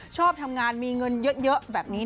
ชอบทำงานมีเงินเยอะแบบนี้